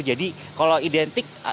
jadi kalau identik